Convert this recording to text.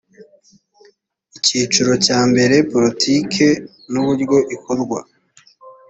icyiciro cya mbere politike n’uburyo ikorwa